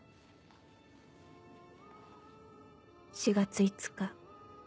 「４月５日。